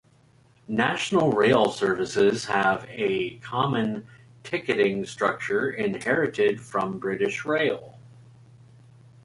National Rail services have a common ticketing structure inherited from British Rail.